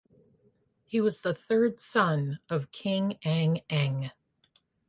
He was the third son of King Ang Eng.